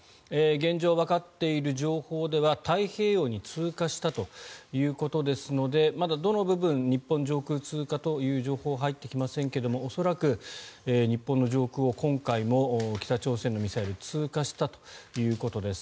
現状、わかっている情報では太平洋に通過したということですのでまだどの部分日本上空通過という情報は入ってきませんが恐らく日本の上空を今回も北朝鮮のミサイル通過したということです。